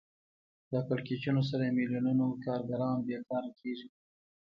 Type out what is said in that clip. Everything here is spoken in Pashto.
په کړکېچونو سره میلیونونو کارګران بېکاره کېږي